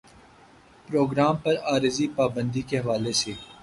programme پر عارضی پابندی کے حوالے سے